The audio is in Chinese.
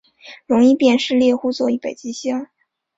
容易辨识猎户座与北极星